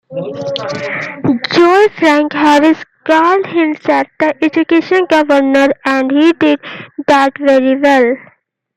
Joe Frank Harris called himself the education governor, and he did that very well.